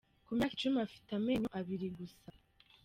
Ku myaka icumi afite amenyo abiri gusa